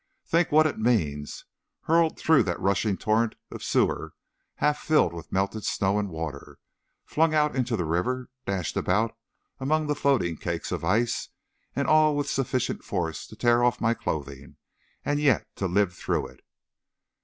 Think what it means! Hurtled through that rushing torrent of a sewer half filled with melted snow and water, flung out into the river, dashed about among the floating cakes of ice, and all with sufficient force to tear off my clothing, and yet to live through it!"